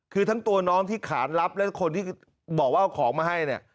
คือทั้งตัวน้องที่ขานรับและคนที่บอกว่าเอาของมาให้เนี่ย